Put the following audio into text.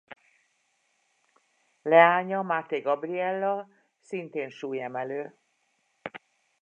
Leánya Máthé Gabriella színtén súlyemelő.